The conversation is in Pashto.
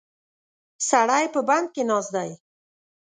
سړی په بند کې ناست دی.